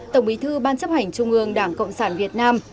tổng bí thư ban chấp hành trung ương đảng cộng sản việt nam